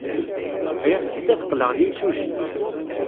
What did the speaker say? Friɣ-tt-id ad qqleɣ d imsujji.